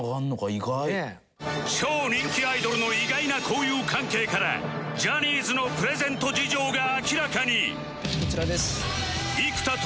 超人気アイドルの意外な交友関係からジャニーズのプレゼント事情が明らかに！